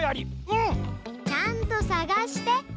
うん！ちゃんとさがして！